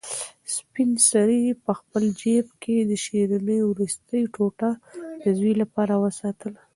سپین سرې په خپل جېب کې د شیرني وروستۍ ټوټه د زوی لپاره وساتله.